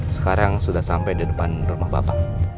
sekarang sudah sampai di depan rumah bapak